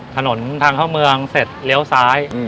ถนนทางเข้าเมืองเสร็จเลี้ยวซ้าย